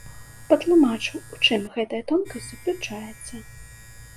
Патлумачу, у чым гэтая тонкасць заключаецца.